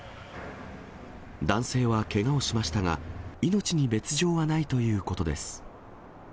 男性はけがをしましたが、命に別状はないということです。